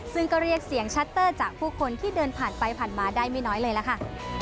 ซึ่งก็เรียกเสียงชัตเตอร์จากผู้คนที่เดินผ่านไปผ่านมาได้ไม่น้อยเลยล่ะค่ะ